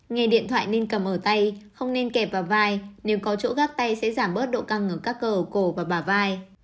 nghe điện thoại nên cầm ở tay không nên kẹp vào vai nếu có chỗ gác tay sẽ giảm bớt độ căng ở các cờ ở cổ và bà vai